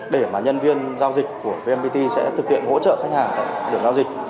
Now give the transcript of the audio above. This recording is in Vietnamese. để mà nhân viên giao dịch của vnpt sẽ thực hiện hỗ trợ khách hàng được giao dịch